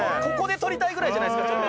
ここで撮りたいぐらいじゃないですか？